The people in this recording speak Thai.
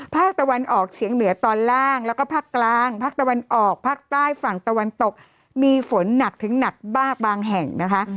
ภาคตะวันออกเฉียงเหนือตอนล่างแล้วก็ภาคกลางภาคตะวันออกภาคใต้ฝั่งตะวันตกมีฝนหนักถึงหนักมากบางแห่งนะคะ